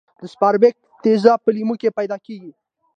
د سکاربیک تیزاب په لیمو کې پیداکیږي.